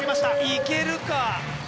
いけるか？